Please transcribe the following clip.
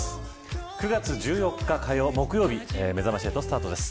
９月１４日木曜日めざまし８スタートです。